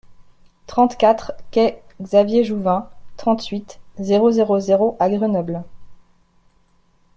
trente-quatre quai Xavier Jouvin, trente-huit, zéro zéro zéro à Grenoble